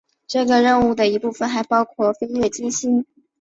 这个任务的一部分还包括飞越金星。